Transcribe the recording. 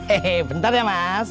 eh bentar ya mas